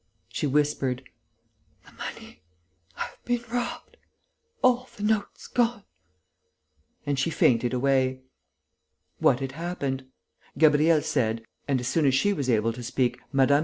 She whispered: "The money.... I've been robbed.... All the notes gone...." And she fainted away. What had happened? Gabriel said and, as soon as she was able to speak, Mme.